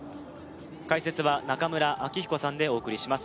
解説は中村明彦さんでお送りします